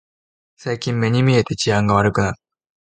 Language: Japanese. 最近目に見えて治安が悪くなった